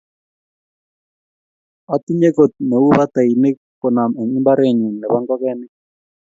Atinye got neu batainik konom en imbare nyun nebo ingogenik.